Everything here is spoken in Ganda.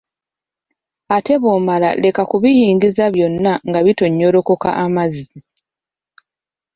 Ate bw'omala leka kubiyingiza byonna nga bitonyolokoka amazzi.